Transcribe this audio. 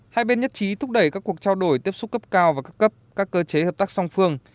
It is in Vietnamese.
hai bên nhất trí thúc đẩy các cuộc trao đổi tiếp xúc cấp cao và cấp cấp các cơ chế hợp tác song phương